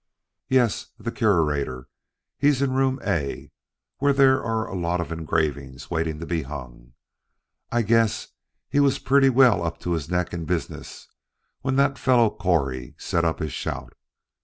"Yes, the Curator. He's in Room A, where there are a lot of engravings waiting to be hung. I guess he was pretty well up to his neck in business when that fellow Correy set up his shout.